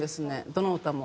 どの歌も。